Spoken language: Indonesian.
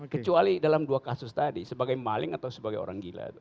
kecuali dalam dua kasus tadi sebagai maling atau sebagai orang gila